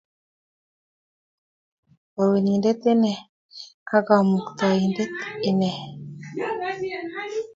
Bo-unindet Ine, ak Kamukta-indet.